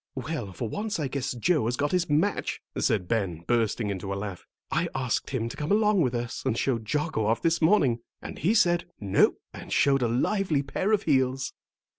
"Well, for once I guess Joe has got his match," said Ben, bursting into a laugh. "I asked him to come along with us and show Jocko off this morning, and he said, 'No,' and showed a lively pair of heels."